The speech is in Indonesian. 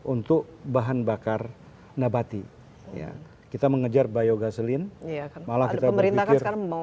untuk bahan bakar nabati kita mengejar biogaselin malah kita berpikir mau